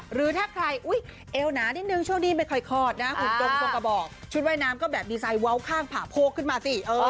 หรือถ้าใครอุ๊ยเอวหนานิดนึงช่วงนี้ไม่ค่อยคลอดนะหุ่นตรงทรงกระบอกชุดว่ายน้ำก็แบบดีไซน์เว้าข้างผ่าโพกขึ้นมาสิ